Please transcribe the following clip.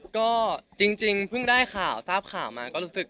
ก็จริงจริงเมื่อก่อนได้ข่าวทราบข่าวมา